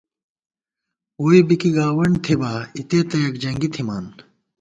ووئی بی کی گاوَنڈ تھِبا، اِتےتہ یَکجنگی تھِمان